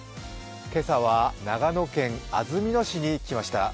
今朝は長野県安曇野市に来ました。